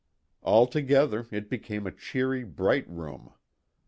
Alto gether it became a cheery bright room.